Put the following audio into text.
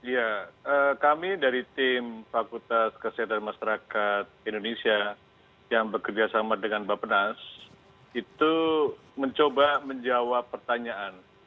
ya kami dari tim fakultas kesehatan masyarakat indonesia yang bekerja sama dengan bapak nas itu mencoba menjawab pertanyaan